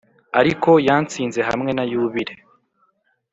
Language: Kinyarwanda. ariko yatsinze hamwe na yubile;